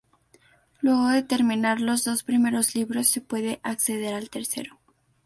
Luego de terminar los dos primeros libros, se puede acceder al tercero.